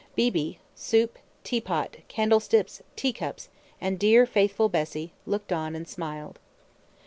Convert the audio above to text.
Beebe, soup, teapot, candlesticks, teacups, and dear faithful Bessy, looked on and smiled.